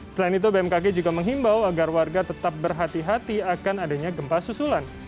selain itu bmkg juga menghimbau agar warga tetap berhati hati akan adanya gempa susulan